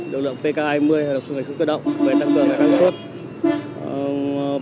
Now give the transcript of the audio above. lực lượng pki một mươi hợp dụng hệ thống cơ động về tăng cường và năng suất